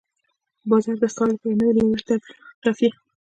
باز د ښکار لپاره نوی لوری ټاکي